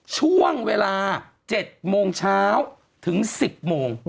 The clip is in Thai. ช่วงเวลา๗โมงเช้าถึง๑๐โมง